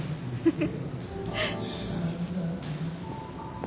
フフ。